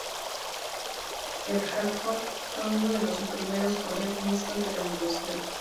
El Hertford fue uno de los primeros college mixtos de la universidad.